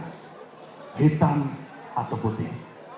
hitam atau putih